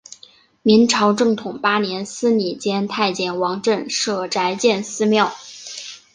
明朝正统八年司礼监太监王振舍宅建私庙。